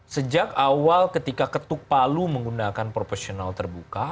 sejak awal ketika ketuk palu menggunakan proporsional terbuka